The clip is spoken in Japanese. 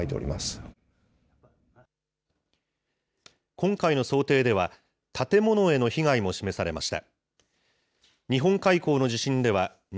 今回の想定では、建物への被害も示されました。